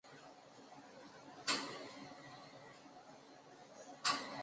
清洁发展机制是京都议定书下面唯一一个包括发展中国家的弹性机制。